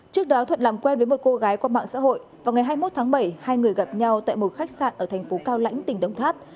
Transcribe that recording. trước đó thuận làm quen với một cô gái qua mạng xã hội vào ngày hai mươi một tháng bảy hai người gặp nhau tại một khách sạn ở thành phố cao lãnh tỉnh đồng tháp